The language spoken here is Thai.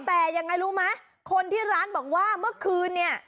แต่ยังไงรู้ไหมคนที่ร้านบอกว่าเมื่อคืนเนี่ย